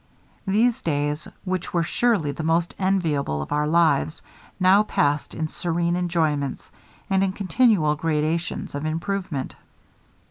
These days, which were surely the most enviable of our lives, now passed in serene enjoyments, and in continual gradations of improvement.